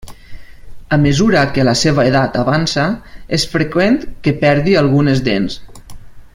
A mesura que la seva edat avança, és freqüent que perdi algunes dents.